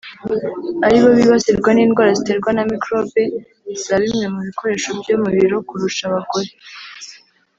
aribo bibasirwa n’indwara ziterwa na mikorobe za bimwe mu bikoresho byo mu biro kurusha bagore